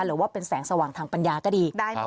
หรือว่าเป็นแสงสว่างทางปัญญาก็ดี